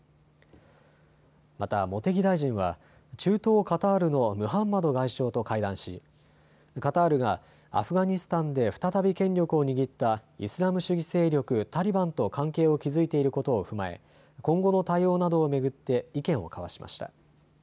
また茂木大臣は中東カタールのムハンマド外相と会談しカタールがアフガニスタンで再び権力を握ったイスラム主義勢力タリバンと関係を築いていることを踏まえ今後の対応などを巡って意見を交わしました。